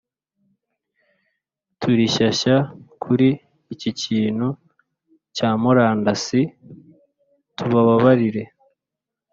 turi shyashya kuri iki kintu cya murandasi tubabarire.